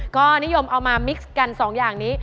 ก็นิยมเอามามิกซ์กัน๒อย่างนี้